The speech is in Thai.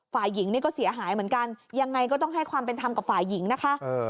ฝ่ายหญิงนี่ก็เสียหายเหมือนกันยังไงก็ต้องให้ความเป็นธรรมกับฝ่ายหญิงนะคะ